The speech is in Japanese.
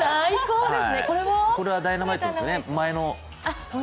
これは「Ｄｙｎａｍｉｔｅ」ですね。